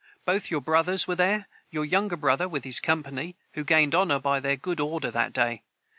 Both your brothers were there; your younger brother with his company, who gained honor by their good order that day.